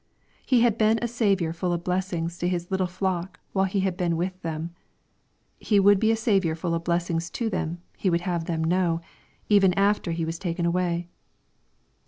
— He had been a Saviour full of blessings to His little flock while He had been with theiu. He would be a Saviour full of blessings to them, He would have them know, even after He was taken away.